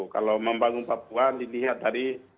kalau membangun papua dilihat tadi